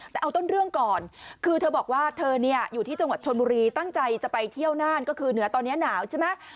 แต่เอาต้นเรื่องก่อนคือเธอบอกว่าเธอเนี่ยอยู่ที่จังหวัดชนบุรีตั้งใจจะไปเที่ยวน่านก็คือเหนือตอนนี้หนาวใช่ไหม